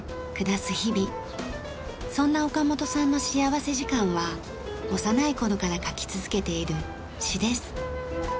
そんな岡本さんの幸福時間は幼い頃から書き続けている詩です。